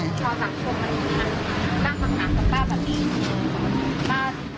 ตอนสักชั่วมันป้าคำถามกับป้าแบบนี้